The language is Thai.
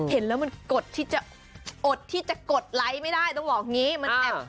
เห็นแล้วมันอดที่จะกดไลค์ไม่ได้ต้องบอกอย่างนี้